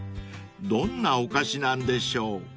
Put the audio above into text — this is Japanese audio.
［どんなお菓子なんでしょう？］